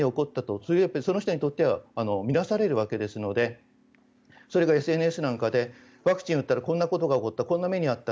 それはそういうふうに見なされるのでそれがＳＮＳなんかでワクチンを打ったらこんなことが起こったこんな目に遭った